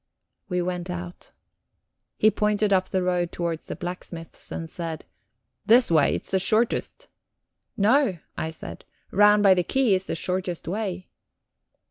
We went out. He pointed up the road towards the blacksmith's and said: "This way it's the shortest." "No," I said. "Round by the quay is the shortest way."